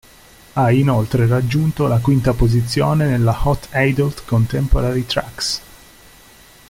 Ha inoltre raggiunto la quinta posizione nella Hot Adult Contemporary Tracks.